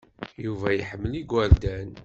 Yuba iḥemmel igerdan.